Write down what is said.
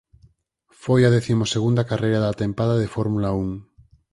Foi a décimo segunda carreira da tempada de Fórmula Un.